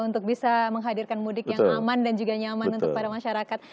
untuk bisa menghadirkan mudik yang aman dan juga nyaman untuk para masyarakat